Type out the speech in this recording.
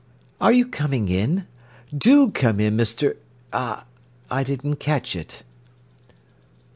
"Are you coming in? Do come in, Mr.—I didn't catch it."